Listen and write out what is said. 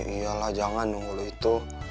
iya lah jangan dong dulu itu